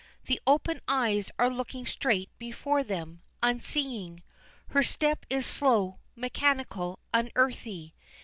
The open eyes are looking straight before them, unseeing. Her step is slow, mechanical, unearthly.